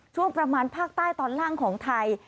ช่วงประมาณภาคใต้ตอนล่างของไทย